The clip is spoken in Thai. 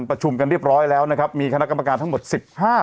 ประชุมกันเรียบร้อยแล้วนะครับมีคณะกรรมการทั้งหมดสิบห้า